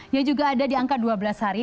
ia juga ada di angka dua belas hari